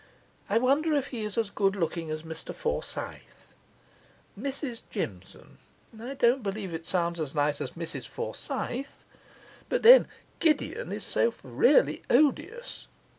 I wonder if he is as good looking as Mr Forsyth. Mrs Jimson I don't believe it sounds as nice as Mrs Forsyth; but then "Gideon" is so really odious!